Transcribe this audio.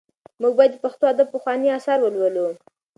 موږ باید د پښتو ادب پخواني اثار ولولو.